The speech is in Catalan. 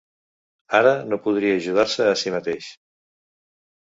Ara no podria ajudar-se a sí mateix.